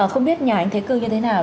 không biết nhà anh thế cương như thế nào